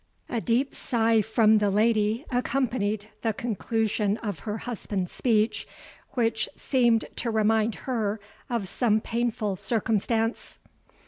A deep sigh from the lady accompanied the conclusion of her husband's speech, which seemed to remind her of some painful circumstance.